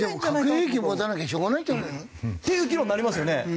でも核兵器を持たなきゃしょうがないんじゃないの？っていう議論になりますよね。